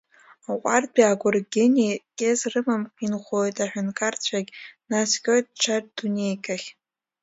Аҟәардәи агәыргьыни кьыс рымамкәа инхоит, аҳәынҭқарцәагь наскьоит ҽа дунеикахь…